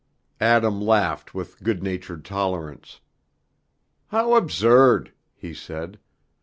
Adam laughed with good natured tolerance. "How absurd!" he said.